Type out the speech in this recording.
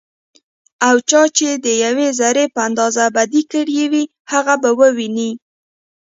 او چا چې ديوې ذرې په اندازه بدي کړي وي، هغه به وويني